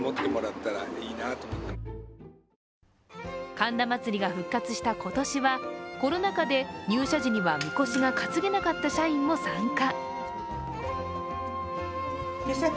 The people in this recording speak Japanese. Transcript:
神田祭が復活した今年はコロナ禍で入社時には神輿が担げなかった社員も参加。